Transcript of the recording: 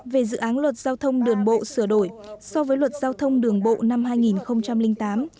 về dự án luật giao thông đường bộ sửa đổi so với luật giao thông đường bộ năm hai nghìn tám